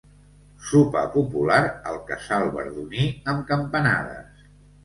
Sopar popular al casal verduní amb campanades.